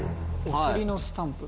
お尻のスタンプ？